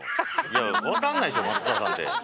いやわかんないでしょ松下さんって。